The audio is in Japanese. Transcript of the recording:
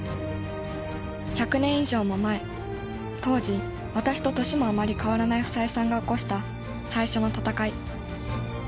１００年以上も前当時私と年もあまり変わらない房枝さんが起こした最初の闘い。